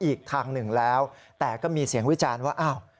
อีกทางหนึ่งแล้วแต่ก็มีเสียงวิจารณ์ว่าอ้าว